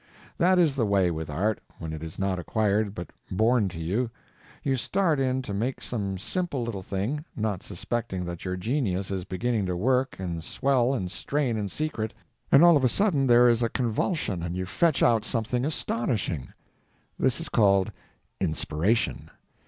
That is the way with art, when it is not acquired but born to you: you start in to make some simple little thing, not suspecting that your genius is beginning to work and swell and strain in secret, and all of a sudden there is a convulsion and you fetch out something astonishing. This is called inspiration.